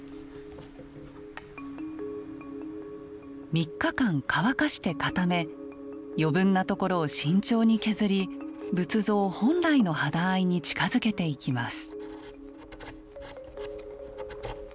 ３日間乾かして固め余分なところを慎重に削り仏像本来の肌合いに近づけていきます。